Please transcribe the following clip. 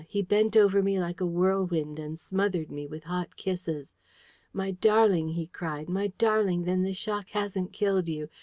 He bent over me like a whirlwind and smothered me with hot kisses. "My darling," he cried, "my darling, then this shock hasn't killed you!